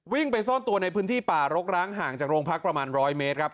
ไปซ่อนตัวในพื้นที่ป่ารกร้างห่างจากโรงพักประมาณ๑๐๐เมตรครับ